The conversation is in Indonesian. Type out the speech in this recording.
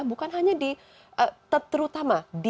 bukan hanya di terutama